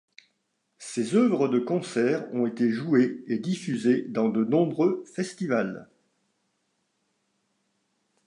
Ses œuvres de concert ont été jouées et diffusées dans de nombreux festivals.